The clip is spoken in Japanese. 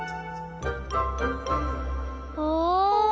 お。